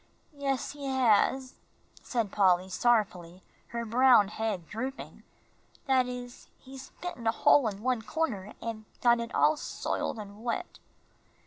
"Yes, he has," said Polly, sorrowfully, her brown head drooping; "that is, he's bitten a hole in one corner, and got it all soiled and wet."